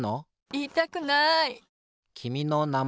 いいたくない。